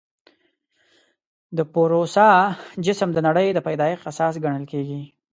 د پوروسا جسم د نړۍ د پیدایښت اساس ګڼل کېږي.